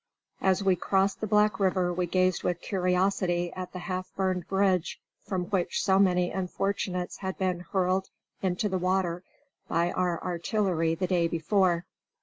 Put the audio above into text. As we crossed the Black River we gazed with curiosity at the half burned bridge from which so many unfortunates had been hurled into the water by our artillery the day before.